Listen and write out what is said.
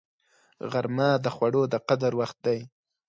غرمه د خوړو د قدر وخت دی